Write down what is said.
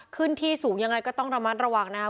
ขึ้นที่สูงยังไงก็ต้องระมัดระวังนะครับ